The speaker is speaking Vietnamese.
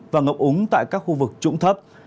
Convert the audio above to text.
và ngập úng tại các khu vực trũng thấp